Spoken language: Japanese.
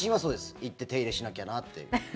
行って手入れしなきゃなって。